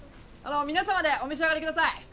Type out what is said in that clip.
あの皆さまでお召し上がりください。